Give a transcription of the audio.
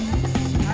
あ。